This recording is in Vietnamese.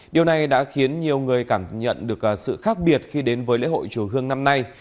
điều này đã khiến nhiều người cảm nhận được sự khác biệt khi đến với lễ hội chùa hương năm nay